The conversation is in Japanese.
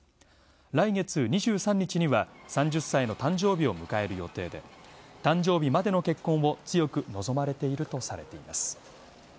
来月２３日には３０歳の誕生日を迎える予定で誕生日までの結婚を強く望まれているとされています。